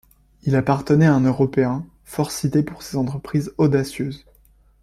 Il appartenait à un Européen fort cité pour ses entreprises audacieuses.